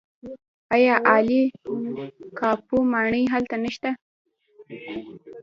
آیا عالي قاپو ماڼۍ هلته نشته؟